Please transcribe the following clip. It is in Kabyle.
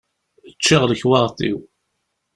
Ččiɣ lekwaɣeḍ-iw.